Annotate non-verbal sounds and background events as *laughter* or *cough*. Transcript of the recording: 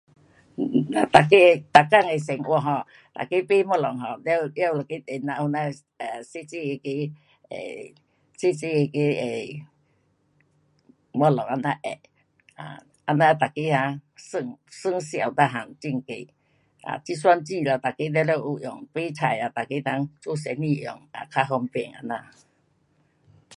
*noise* 大家每天的生活噢，每个卖东西 um 了拿一个电脑那小小那个 um 小小那个 um 东西那样按，um 这样每个啊算，算数全部很易。um 计算机啦每个全部有用，卖菜的每个人做生意用，较方便这样。